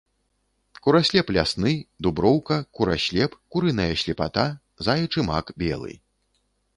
Кураслеп лясны, дуброўка, кураслеп, курыная слепата, заячы мак белы.